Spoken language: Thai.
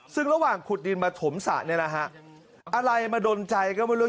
ซึ่งระหว่างขุดดินมาถมสระเนี่ยนะฮะอะไรมาดนใจก็ไม่รู้